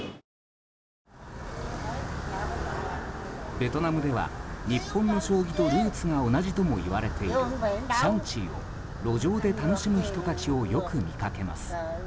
ベトナムでは、日本の将棋とルーツが同じといわれているシャンチーを路上で楽しむ人たちをよく見かけます。